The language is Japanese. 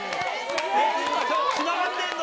つながってんの？